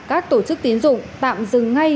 các tổ chức tín dụng tạm dừng ngay